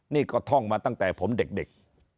นี่ก็ท่องมาตั้งแต่ผมเด็ก